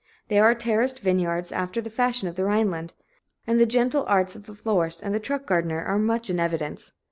There are terraced vineyards, after the fashion of the Rhineland, and the gentle arts of the florist and the truck gardener are much in evidence.